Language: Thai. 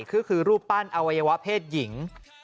คือรูปปั้นอวัยวะเพศหญิง